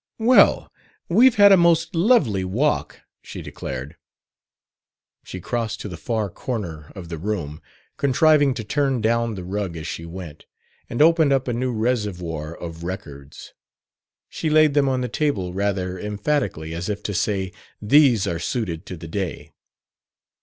"Well, we've had a most lovely walk," she declared. She crossed to the far corner of the room, contriving to turn down the rug as she went, and opened up a new reservoir of records. She laid them on the table rather emphatically, as if to say, "These are suited to the day."